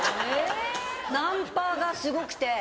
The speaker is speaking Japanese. ナンパがすごくて。